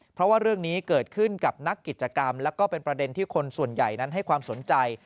เพราะว่าเรื่องนี้เกิดขึ้นกับนักกิจกรรมแล้วก็เป็นประเด็นที่คนส่วนใหญ่นั้นให้ความสนใจ